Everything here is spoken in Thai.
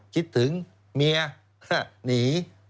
คิดถึงเมียหนี